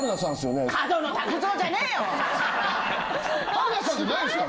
春菜さんじゃないんですか？